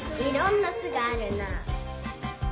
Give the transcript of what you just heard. いろんな「す」があるな。